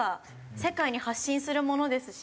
世界に発信するものですし。